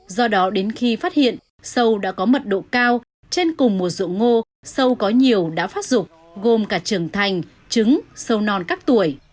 do đó đến khi phát hiện sâu đã có mật độ cao trên cùng một ruộng ngô sâu có nhiều đã phát dụng gồm cả trưởng thành trứng sâu non các tuổi